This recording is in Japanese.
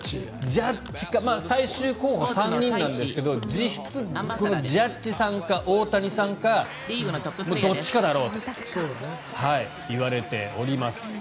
ジャッジか最終候補が３人なんですが実質、ジャッジさんか大谷さんかどっちかだろうと言われております。